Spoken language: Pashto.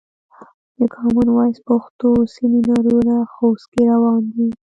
د کامن وایس پښتو سمینارونه خوست کې روان دي.